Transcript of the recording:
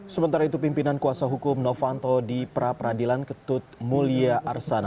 sementara itu pimpinan kuasa hukum novanto di pra peradilan ketut mulia arsana